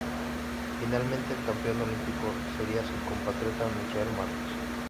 Finalmente el campeón olímpico sería su compatriota Michael Marsh.